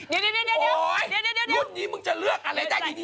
เดี๋ยวพรุ่งนี้มึงจะเลือกอะไรได้ดี